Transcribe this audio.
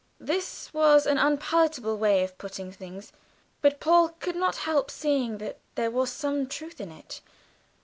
This was an unpalatable way of putting things, but Paul could not help seeing that there was some truth in it.